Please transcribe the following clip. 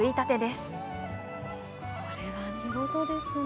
これは見事ですね。